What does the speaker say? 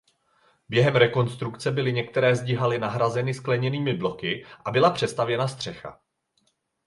Během rekonstrukce byly některé zdi haly nahrazeny skleněnými bloky a byla přestavěna střecha.